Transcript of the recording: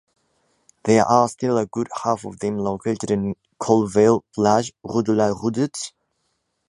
There are still a good half of them located in Colleville-Plage, rue de la Redoute.